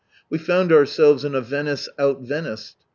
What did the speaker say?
We found ourselves in a Venice out Veniced.